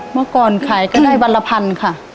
เมื่อก่อนขายก็ได้วันละพันค่ะ